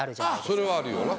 それはあるよな。